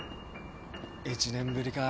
１年ぶりか。